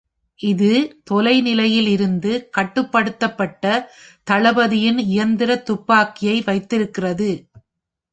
இது தொலைநிலையில் இருந்து கட்டுப்படுத்தப்பட்ட தளபதியின் இயந்திர துப்பாக்கியை வைத்திருக்கிறது.